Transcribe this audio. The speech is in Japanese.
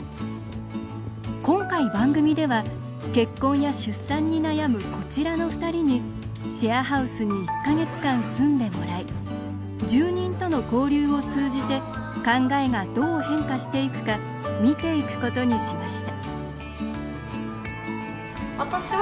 今回、番組では結婚や出産に悩むこちらのふたりにシェアハウスに１か月間住んでもらい住人との交流を通じて考えがどう変化していくか見ていくことにしました。